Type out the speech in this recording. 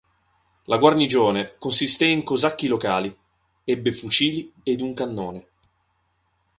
La guarnigione consisté in cosacchi locali, ebbe fucili ed un cannone”".